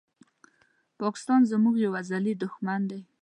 پاکستان زموږ یو ازلې دښمن دي